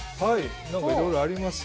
何かいろいろありますよ。